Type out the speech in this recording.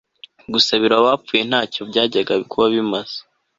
gusabira abapfuye nta cyo byajyaga kuba bimaze